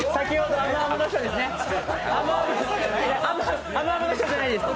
あむあむの人じゃないです。